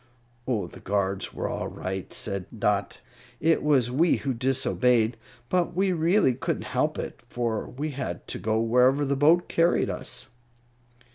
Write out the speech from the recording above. "Oh, the guards were all right," said Dot. "It was we who disobeyed. But we really couldn't help it, for we had to go wherever the boat carried us."